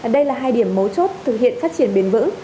đây là hai điểm mấu chốt thực hiện phát triển bền vững